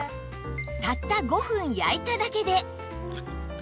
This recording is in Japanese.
たった５分焼いただけで